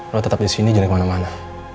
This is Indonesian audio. lo tetap disini jangan kemana mana